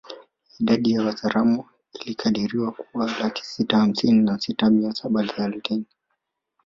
Idadi ya Wazaramo ilikadiriwa kuwa laki sita hamsini na sita mia saba thelathini